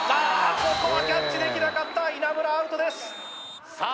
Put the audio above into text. ここはキャッチできなかった稲村アウトですさあ